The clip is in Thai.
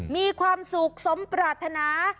มีความสุขสมปรารถนา